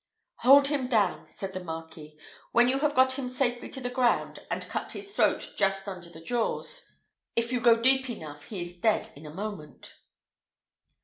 "Hold him down," said the Marquis, "when you have got him safely on the ground, and cut his throat just under the jaws if you go deep enough he is dead in a moment."